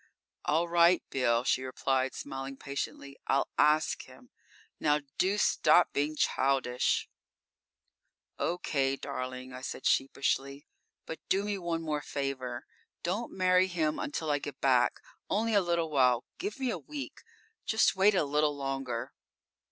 "All right, Bill," she replied, smiling patiently. "I'll ask him. Now, do stop being childish." "Okay, darling," I said sheepishly. "But do me one more favor. Don't marry him until I get back. Only a little while; give me a week. Just wait a little longer."